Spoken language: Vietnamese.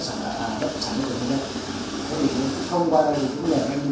là công ty hay doanh nghiệp mà được người dân tỉnh cất bỏ thì cũng phải làm theo đúng cái phạm vi